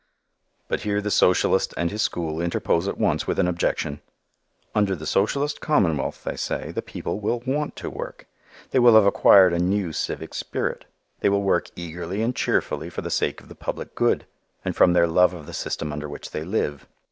But here the socialist and his school interpose at once with an objection. Under the socialist commonwealth, they say, the people will want to work; they will have acquired a new civic spirit; they will work eagerly and cheerfully for the sake of the public good and from their love of the system under which they live.